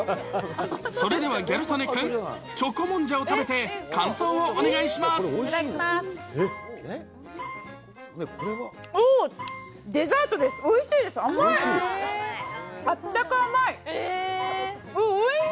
それではギャル曽根君、チョコもんじゃを食べて感想をお願いしまいただきます。